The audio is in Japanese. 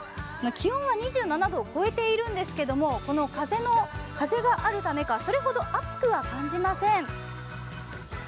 気温は２７度を超えているんですけれども風があるためか、それほど暑くは感じません。